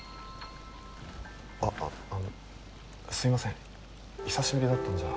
あっあのすいません久しぶりだったんじゃ。